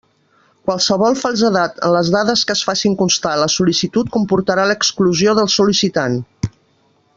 Qualsevol falsedat en les dades que es facin constar a la sol·licitud comportarà l'exclusió del sol·licitant.